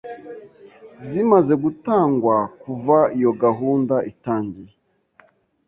zimaze gutangwa kuva iyo gahunda itangiye